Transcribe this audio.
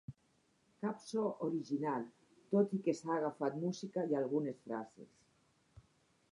Cap so original, tot i que s’ha agafat música i algunes frases.